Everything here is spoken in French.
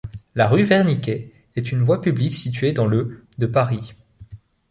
La rue Verniquet est une voie publique située dans le de Paris.